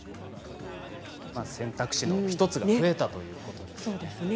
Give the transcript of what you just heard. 選択肢の１つが見えたということですね。